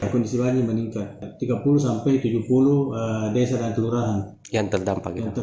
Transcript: kondisi luar ini meningkat tiga puluh sampai tujuh puluh desa dan kelurahan yang terdampak